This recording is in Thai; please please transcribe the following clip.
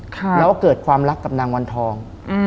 แล้วก็เกิดความรักกับนางวันทอง